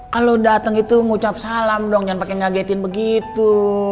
kalo dateng itu ngucap salam dong jalan paken gaagetin begitu